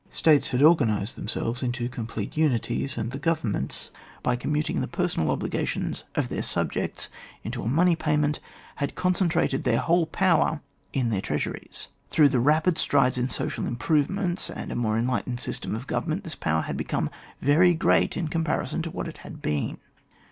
States had organised themselves into complete uni ties; and the governments, by commuting the personal obligations of their subjects into a money payment, had concentrated their whole power in their treasuries. Through the rapid strides in social im provements, and a more enlightened system of government, this power had become very great in comparison to what it had been.